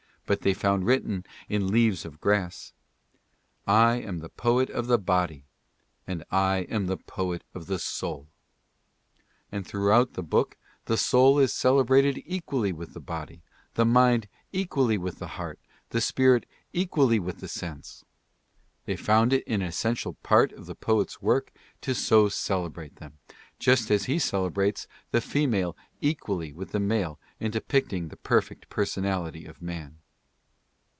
But they found written in " Leaves of Grass :"" I am the poet of the Body and I am the poet of the Soul" and that throughout the book the soul is celebrated equally with 28 ADDRESSES. the body, the mind equally with the heart, the spirit equally with the sense. They found it an essential part of the poet's work to so celebrate them, just as he celebrates the female equally with the male in depicting the perfect personality of man.